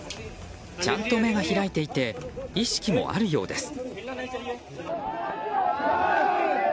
ちゃんと目が開いていて意識もあるようです。